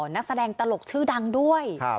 นักแสดงตลกชื่อดังด้วย